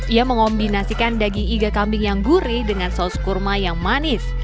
ia mengombinasikan daging iga kambing yang gurih dengan saus kurma yang manis